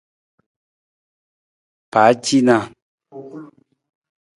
Pacinaa.